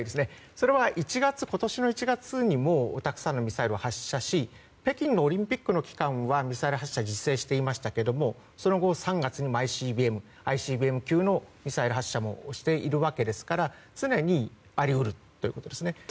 それは、今年１月にもたくさんミサイルを発射し北京オリンピックの期間はミサイル発射を自制していましたがその後、３月にＩＣＢＭ級のミサイル発射もしているわけですから常にあり得るということです。